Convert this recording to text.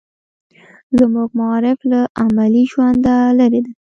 زموږ معارف له عملي ژونده لرې دی.